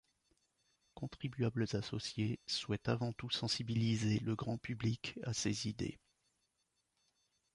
Contribuables associés souhaite avant tout sensibiliser le grand public à ses idées.